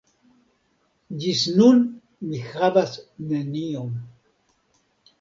Ĝis nun mi havis neniom.